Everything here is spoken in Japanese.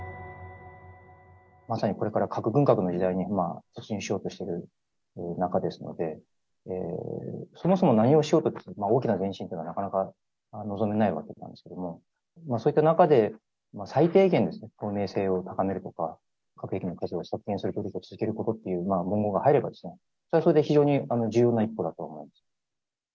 まさにこれから核軍拡の時代に突入しようとしてる中ですので、そもそも何をしようと、大きな前進っていうのはなかなか望めないわけなんですけれども、そういった中で、最低限ですね、透明性を高めるとか、核兵器の数を削減する努力を続けることという文言が入れば、それはそれで非常に重要な一歩だと思うんです。